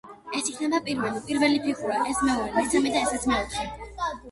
ეს იქნება პირველი, პირველი ფიგურა, ეს მეორე, მესამე და ესეც მეოთხე.